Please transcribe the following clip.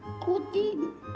ngerti ya sayang ya